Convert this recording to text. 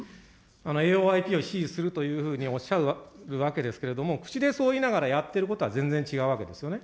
ＡＯＩＰを支持するというふうにおっしゃるわけですけれども、口でそう言いながら、やっていることは全然違うわけですよね。